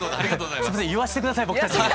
すいません言わせて下さい僕たちに。